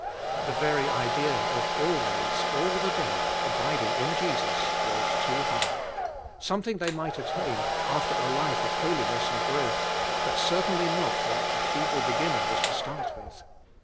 The very idea of always, all the day, abiding in Jesus, was too high,— something they might attain to after a life of holiness and growth, but certainly not what a feeble beginner was to start with.